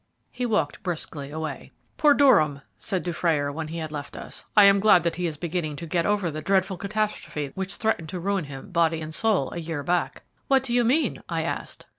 He walked briskly away. "Poor Durham," said Dufrayer, when he had left us. "I am glad that he is beginning to get over the dreadful catastrophe which threatened to ruin him body and soul a year back." "What do you mean?" I asked.